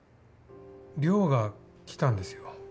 亮が来たんですよ